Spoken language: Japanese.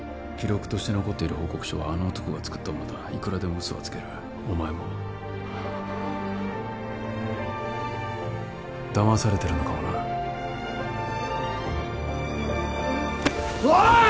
記録として残っている報告書はあの男が作ったものだいくらでも嘘はつけるお前もだまされてるのかもなおい！